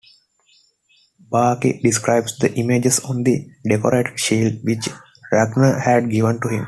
Bragi describes the images on a decorated shield which Ragnar had given to him.